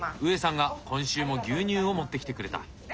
ウエさんが今週も牛乳を持ってきてくれた。